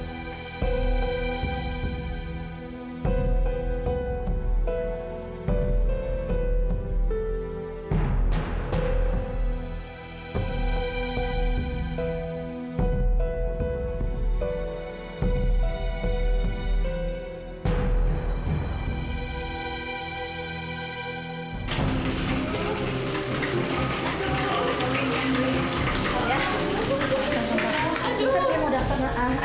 ini dia yang mau datang